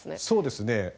そうですね